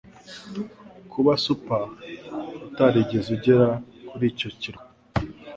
Kuba super utarigeze ugera kuri icyo kirwa